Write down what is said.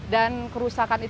dan kerusakan itu sempat